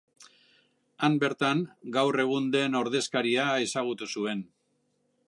Han bertan, gaur egun den ordezkaria ezagutu zuen.